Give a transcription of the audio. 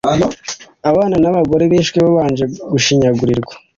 abana n’abagore bishwe babanje gushinyagurirwa